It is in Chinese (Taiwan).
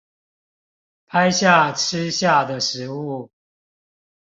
拍下吃下的食物